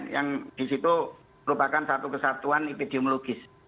yang di situ merupakan satu kesatuan epidemiologis